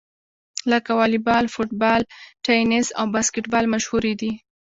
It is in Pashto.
لکه واليبال، فوټبال، ټېنیس او باسکیټبال مشهورې دي.